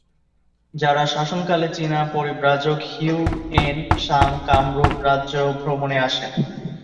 যাঁর শাসনকালে চীনা পরিব্রাজক হিউয়েন সাং কামরূপ রাজ্য ভ্রমণে আসেন।